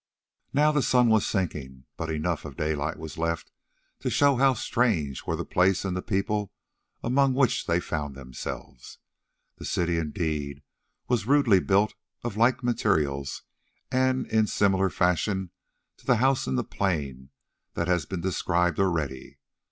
Now the sun was sinking, but enough of daylight was left to show how strange were the place and the people among which they found themselves. The city, indeed, was rudely built of like materials and in similar fashion to the house in the plain that has been described already.